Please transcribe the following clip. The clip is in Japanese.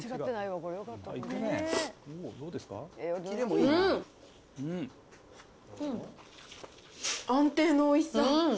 うん、安定のおいしさ。